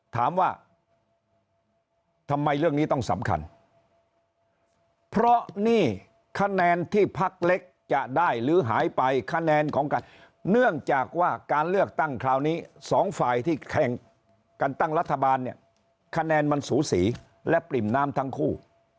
ถามว่าทำไมเรื่องนี้ต้องสำคัญเพราะนี่คะแนนที่พักเล็กจะได้หรือหายไปคะแนนของกันเนื่องจากว่าการเลือกตั้งคราวนี้สองฝ่ายที่แข่งกันตั้งรัฐบาลเนี่ยคะแนนมันสูสีและปริ่มน้ำทั้งคู่